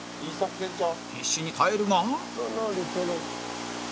必死に耐えるが